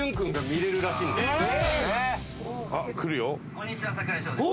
こんにちは櫻井翔です。